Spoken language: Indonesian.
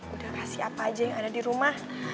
udah kasih apa aja yang ada dirumah